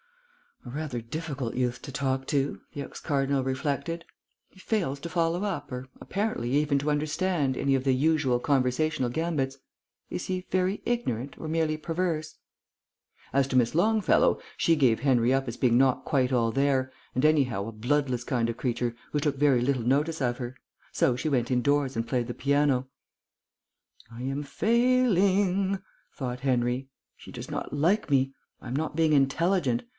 "A rather difficult youth to talk to," the ex cardinal reflected. "He fails to follow up, or, apparently, even to understand, any of the usual conversational gambits. Is he very ignorant, or merely perverse?" As to Miss Longfellow, she gave Henry up as being not quite all there, and anyhow a bloodless kind of creature, who took very little notice of her. So she went indoors and played the piano. "I am failing," thought Henry. "She does not like me. I am not being intelligent.